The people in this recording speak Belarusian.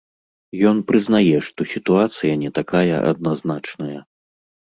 Ён прызнае, што сітуацыя не такая адназначная.